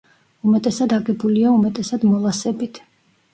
უმეტესად აგებულია უმეტესად მოლასებით.